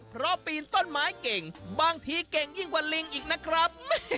เพราะปีนต้นไม้เก่งบางทีเก่งยิ่งกว่าลิงอีกนะครับ